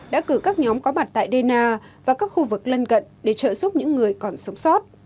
đã cử các nhóm có mặt tại dena và các khu vực lân cận để trợ giúp những người còn sống sót